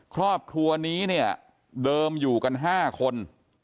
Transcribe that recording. ครอบครัวนี้เนี่ยเดิมอยู่กัน๕คน